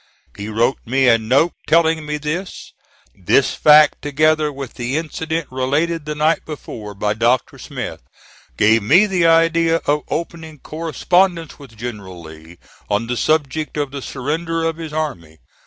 He wrote me a note telling me this. This fact, together with the incident related the night before by Dr. Smith, gave me the idea of opening correspondence with General Lee on the subject of the surrender of his army.